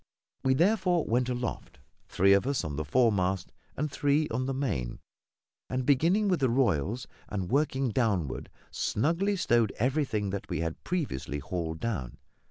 We therefore went aloft, three of us on the foremast, and three on the main, and beginning with the royals and working downward, snugly stowed everything that we had previously hauled down.